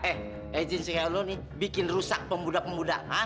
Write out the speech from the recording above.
eh izin sekali lu nih bikin rusak pemuda pemuda